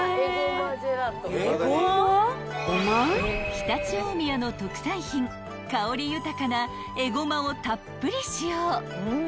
［常陸大宮の特産品香り豊かなえごまをたっぷり使用］